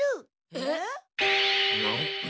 えっ？